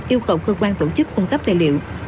yêu cầu cơ quan tổ chức cung cấp tài liệu